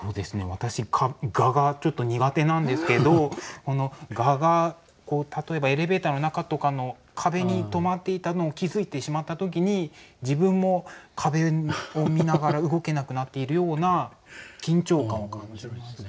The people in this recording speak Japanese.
私蛾がちょっと苦手なんですけど蛾が例えばエレベーターの中とかの壁に止まっていたのを気付いてしまった時に自分も壁を見ながら動けなくなっているような緊張感を感じますね。